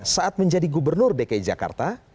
saat menjadi gubernur dki jakarta